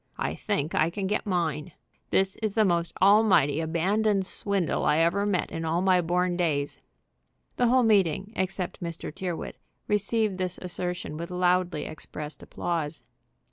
"I think I can get mine. This is the most almighty abandoned swindle I ever met in all my born days." The whole meeting, except Mr. Tyrrwhit, received this assertion with loudly expressed applause.